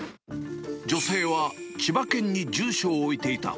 女性は千葉県に住所を置いていた。